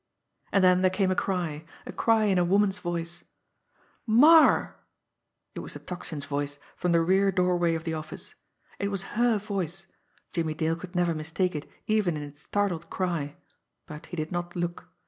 And then there came a cry a cry in a woman's voice; "Marre!" It was the Tocsin's voice from the rear doorway of the office. It was her voice; Jimmie Dale could never mistake it even in its startled cry but he did not look.